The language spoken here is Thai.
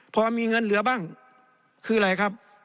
เพราะว่ามีเงินเหลือบ้างคืออะไรครับ